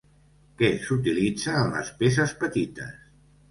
Què s'utilitza en les peces petites?